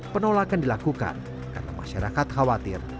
penolakan dilakukan karena masyarakat khawatir